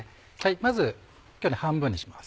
まず今日は半分にします。